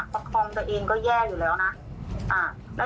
ประคองตัวเองก็แย่อยู่แล้วนะ